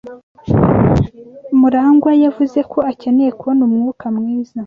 Murangwa yavuze ko akeneye kubona umwuka mwiza.